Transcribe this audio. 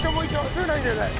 すぐ投げて下さい。